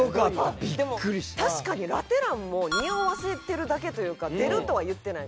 でも確かにラテ欄もにおわせてるだけというか出るとは言ってない。